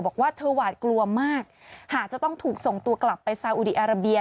บอกว่าเธอหวาดกลัวมากหากจะต้องถูกส่งตัวกลับไปซาอุดีอาราเบีย